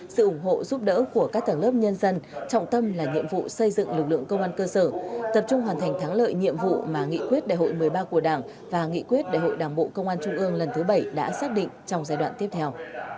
sự ủng hộ giúp đỡ của các tầng lớp nhân dân trọng tâm là nhiệm vụ xây dựng lực lượng công an cơ sở tập trung hoàn thành thắng lợi nhiệm vụ mà nghị quyết đại hội một mươi ba của đảng và nghị quyết đại hội đảng bộ công an trung ương lần thứ bảy đã xác định trong giai đoạn tiếp theo